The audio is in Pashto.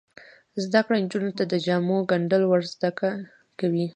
زده کړه نجونو ته د جامو ګنډل ور زده کوي.